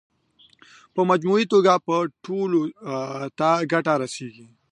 په مجموعي توګه به ټولو ته ګټه رسېږي.